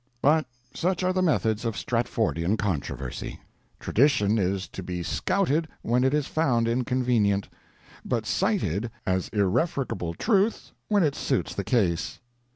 But such are the methods of Stratfordian controversy. Tradition is to be scouted when it is found inconvenient, but cited as irrefragable truth when it suits the case.